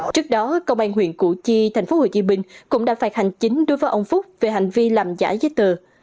trước đó công an huyện củ chi tp hcm cũng đã phạt hành chính đối với ông phúc về hành vi làm giả giấy tờ